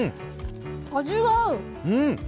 味が合う。